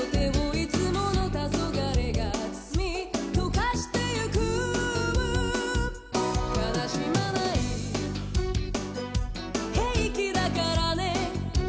「いつもの黄昏が包み溶かしてゆく」「悲しまない」「平気だからね」